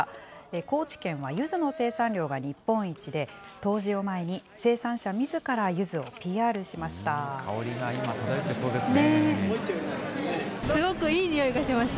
高知県はゆずの生産量が日本一で、冬至を前に生産者みずからゆずを香りが今、漂ってそうですね。